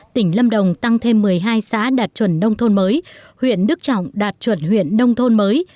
tỉnh lâm đồng tăng thêm một mươi hai xã đạt chuẩn nông thôn mới huyện đức trọng đạt chuẩn huyện nông thôn mới